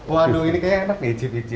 waduh ini kayaknya enak nih